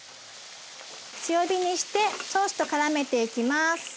強火にしてソースとからめていきます。